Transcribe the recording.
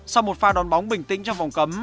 sau một pha đón bóng bình tĩnh trong vòng cấm